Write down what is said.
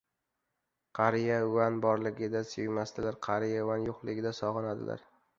• Qariya Van borligida sevmasdilar, qariya Van yo‘qligida sog‘inadilar.